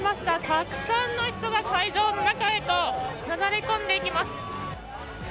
たくさんの人が会場の中へとなだれ込んでいきます。